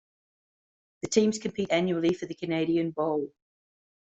The teams compete annually for the Canadian Bowl.